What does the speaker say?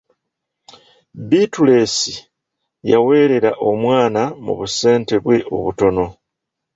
Bittuleesi yaweerera omwana mu busente bwe obutono.